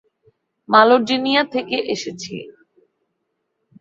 মালডোনিয়া থেকে এসেছি।